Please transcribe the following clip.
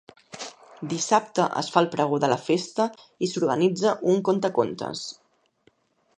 Dissabte es fa el pregó de la festa i s'organitza un contacontes.